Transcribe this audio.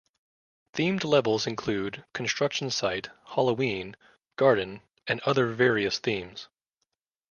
Themed levels include: construction site, Halloween, garden and other various themes.